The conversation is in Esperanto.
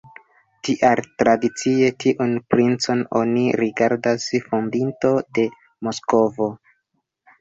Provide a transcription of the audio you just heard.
Tial tradicie tiun princon oni rigardas fondinto de Moskvo.